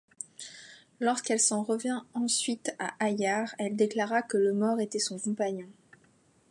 Lorsqu'elle s'en revint ensuite à Ayarre, elle déclara que le mort était son compagnon.